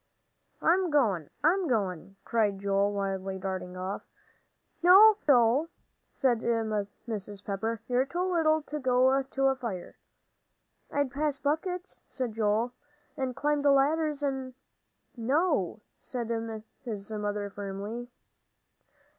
"I'm goin', I'm goin'," cried Joel, wildly darting off. "No no, Joel," said Mrs. Pepper, "you're too little to go to a fire." "I'd pass buckets," said Joel, "and climb the ladders and " "No," said his mother, firmly.